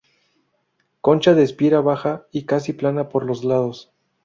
Concha de espira baja y casi plana por los lados.